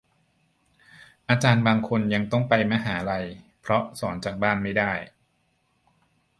อาจารย์บางคนยังต้องไปมหาลัย เพราะสอนจากบ้านไม่ได้